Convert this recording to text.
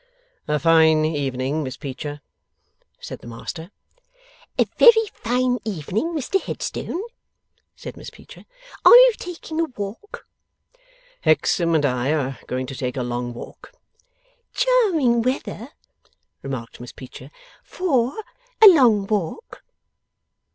'A fine evening, Miss Peecher,' said the Master. 'A very fine evening, Mr Headstone,' said Miss Peecher. 'Are you taking a walk?' 'Hexam and I are going to take a long walk.' 'Charming weather,' remarked Miss Peecher, 'FOR a long walk.